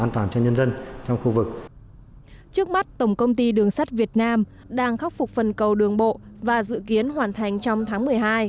trước mắt tổng công ty đường sắt việt nam đang khắc phục phần cầu đường bộ và dự kiến hoàn thành trong tháng một mươi hai